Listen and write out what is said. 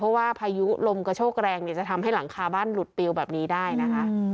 เพราะว่าพายุลมกระโชกแรงจะทำให้หลังคาบ้านหลุดปิวแบบนี้ได้นะคะ